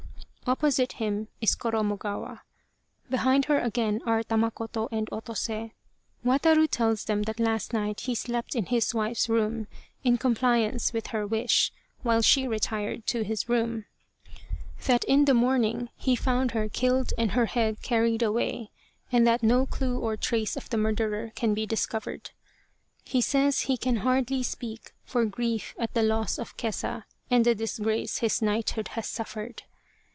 Opposite him is Koromogawa. Behind her again are Tamakoto and Otose. Wataru tells them that last night he slept in his wife's room in compliance with her wish, while she retired to his room. That in 77 The Tragedy of Kesa Gozen the morning he found her killed and her head carried away, and that no clue or trace of the murderer can be discovered. He says he can hardly speak for grief at the loss of Kesa and the disgrace his knighthood has suffered.